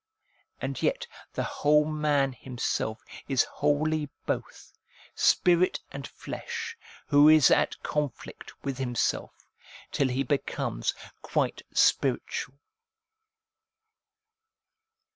And yet the whole man himself is wholly both, spirit and flesh, who is at conflict with himself, till he becomes quite spiritual.